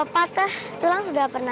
patah tulang sudah pernah